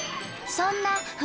そんな筆